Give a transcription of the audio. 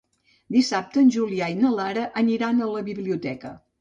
Dissabte en Julià i na Lara aniran a la biblioteca.